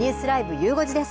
ゆう５時です。